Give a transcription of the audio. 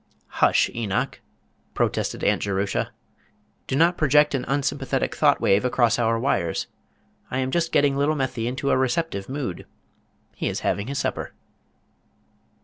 "Hush, Enoch," protested Aunt Jerusha. "Do not project an unsympathetic thought wave across our wires. I am just getting little Methy into a receptive mood. He is having his supper."